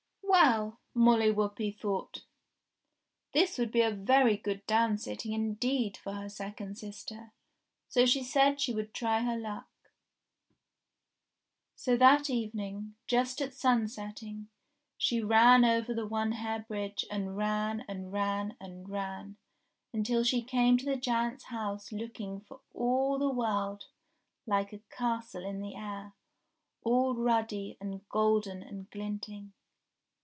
Well! Molly Whuppie thought this would be a very MOLLY WHUPPIE AND THE GIANT 341 good downsitting, indeed, for her second sister, so she said she would try her luck. So that evening, just at sunsetting, she ran over the One Hair Bridge, and ran, and ran, and ran until she came to the giant's house looking for all the world like a castle in the air, all ruddy and golden and glinting.